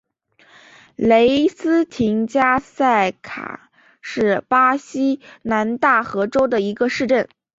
雷斯廷加塞卡是巴西南大河州的一个市镇。